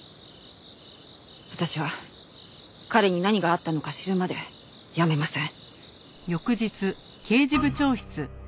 私は彼に何があったのか知るまでやめません。